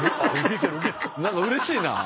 何かうれしいな。